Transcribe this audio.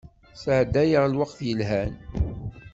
Sɛeddayeɣ lweqt yelhan.